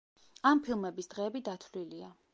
ამ ფილმების დღეები დათვლილია.